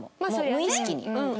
無意識に。